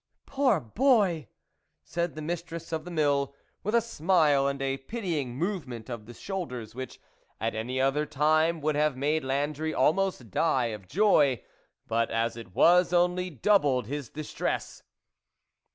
" Poor boy !" said the mistress of the mill, with a smile and a pitying movement of the shoulders, which, at any other time, would have made Landry almost die of joy, but, as it was, only doubled his dis tress.